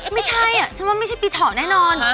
ไม่ใช่ฉันว่าไม่ใช่ปีเถาะแน่นอน